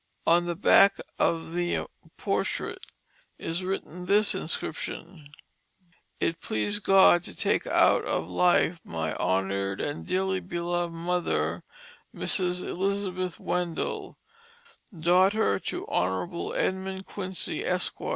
On the back of the portrait is written this inscription: "It pleased God to take Out of Life my Honor'd and dearly Belov'd Mother, M^rs Elizabeth Wendell, daughter to Honble Edmund Quincy, Esq^r.